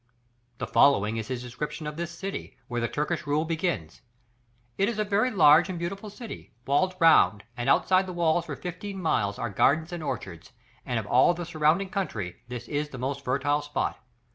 The following is his description of this city, where the Turkish rule begins. "It is a very large and beautiful city, walled round, and outside the walls for fifteen miles are gardens and orchards, and of all the surrounding country, this is the most fertile spot.